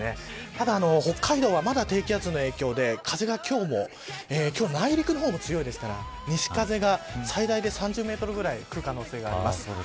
ただ北海道は、まだ低気圧の影響で風が今日も内陸も強いですから西風が最大で３０メートルくらい吹く可能性があります。